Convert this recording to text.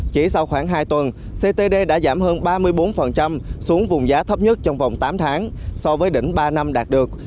chỉ sau khoảng hai tuần ctd đã giảm hơn ba mươi bốn xuống vùng giá thấp nhất trong vòng tám tháng so với đỉnh ba năm đạt được